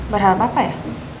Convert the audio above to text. berharap apa ya